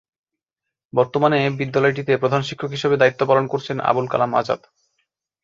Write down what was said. বর্তমানে বিদ্যালয়টিতে প্রধান শিক্ষক হিসেবে দায়িত্ব পালন করছেন আবুল কালাম আজাদ।